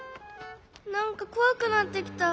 なんかこわくなってきた。